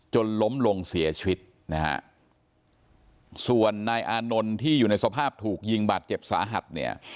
จนล้มลงเสียชีวิตนะฮะส่วนนายอานนท์ที่อยู่ในสภาพถูกยิงบาดเจ็บสาหัสเนี่ย